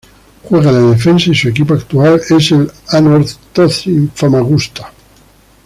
Juega de defensa y su equipo actual es el Anorthosis Famagusta.